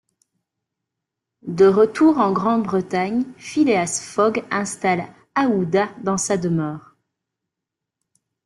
De retour en Grande-Bretagne, Phileas Fogg installe Aouda dans sa demeure.